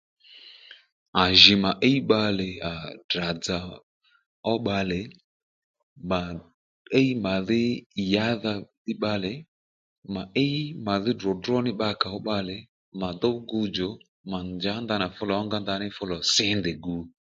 À nì jǐ mà íy bbalè Ddrà-dzà ó bbalè mà íy màdhí yǎdha mí bbalè mà íy màdhí dròdró ní bba kàó bbalè mà dǒw gudjò mà njǎ ndanà fú lò ónga ndaní fú lò sí ndèy gu